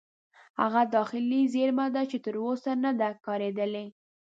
هغه داخلي زیرمه ده چې تر اوسه نه ده کارېدلې.